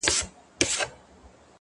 پوهه له تجربې ژوره کېږي؛